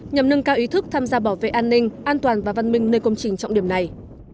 nhằm nâng cao ý thức tham gia bảo vệ an ninh an toàn và văn minh nơi công trình trọng điểm này